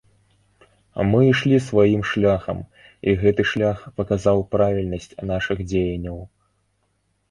Мы ішлі сваім шляхам і гэты шлях паказаў правільнасць нашых дзеянняў.